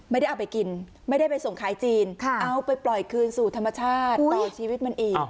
ไม่ได้เอาไปกินไม่ได้ไปส่งขายจีนเอาไปปล่อยคืนสู่ธรรมชาติปล่อยชีวิตมันอีก